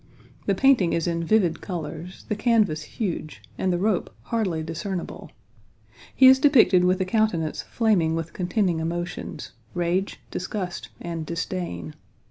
The painting is in vivid colors, the canvas huge, and the rope hardly discernible. He is depicted with a countenance flaming with contending emotions rage, disgust, and disdain.